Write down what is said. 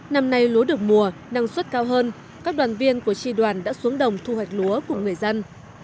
năm nay lúa được mùa năng suất cao hơn các đoàn viên của tri đoàn đã xuống đồng thu hoạch lúa cùng người dân